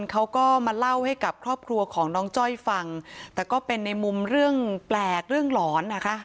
เขาก็มาเล่าให้กับครอบครัวของน้องจ้อยฟังแต่ก็เป็นในมุมเรื่องแปลกเรื่องหลอนนะคะ